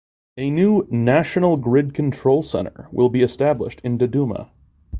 A new "National Grid Control Center" will be established in Dodoma.